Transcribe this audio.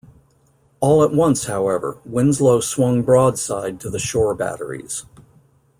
All at once, however, Winslow swung broadside to the shore batteries.